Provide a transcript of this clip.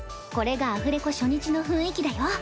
これがアフレコ初日の雰囲気だよ。